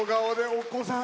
お子さん。